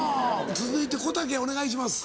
続いてこたけお願いします。